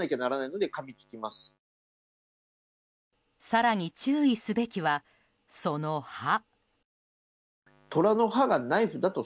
更に注意すべきはその歯。